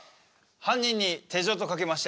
犯人に手錠とかけまして。